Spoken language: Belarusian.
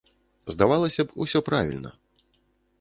Здавалася б, усё правільна.